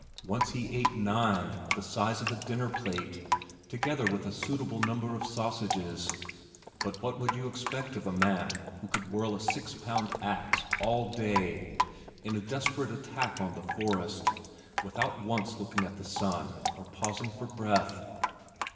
Once he ate nine the size of a dinner plate together with a suitable number of sausages but what would you expect of a man who could whirl a six pound axe all day in a desperate attack on the forest, without once looking at the sun or pausing for breath?